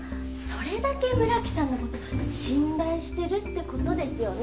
それだけ村木さんの事信頼してるって事ですよね？